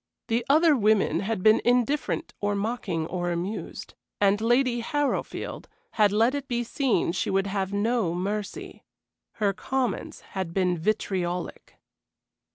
The other women had been indifferent or mocking or amused, and Lady Harrowfield had let it be seen she would have no mercy. Her comments had been vitriolic.